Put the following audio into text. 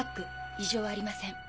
異常ありません。